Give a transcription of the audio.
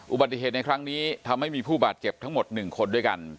อุบัติเหตุในครั้งนี้ทำให้มีผู้บาดเจ็บทั้งหมด๑คนด้วยกัน